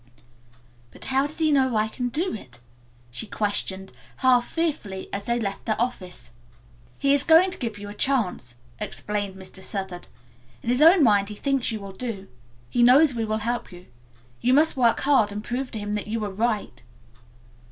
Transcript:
"But how does he know that I can do it?" she questioned, half fearfully, as they left the office. "He is going to take a chance," explained Mr. Southard. "In his own mind he thinks you will do. He knows we will help you. You must work hard and prove to him that he is right."